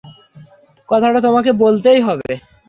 কথাটা তোমাকে বলতেই হবে।